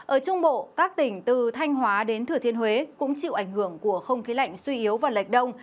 ở trung bộ các tỉnh từ thanh hóa đến thửa thiên huế cũng chịu ảnh hưởng của không khí lạnh suy yếu và lệch đông